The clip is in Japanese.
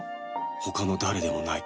他の誰でもない。